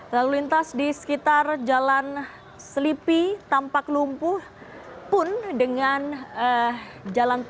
lalu lintas di sekitar jalan selipi tampak lumpuh pun dengan jalan tol